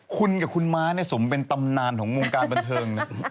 คุณกับคุณม้าสมเป็นตำนานของงงการบรรเทิงนี่